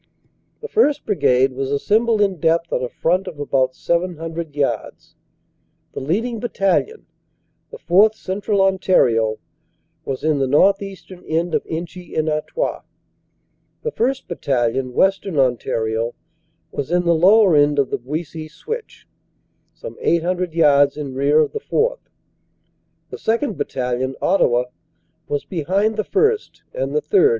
"The 1st. Brigade was assembled in depth on a front of about 700 yards. The leading Battalion, the 4th. Central On tario, was in the northeastern end of Inchy en Artois. The 1st. Battalion, Western Ontario, was in the lower end of the Buissy Switch, some eight hundred yards in rear of the 4th. The 2nd. Battalion, Ottawa, was behind the 1st. and the 3rd.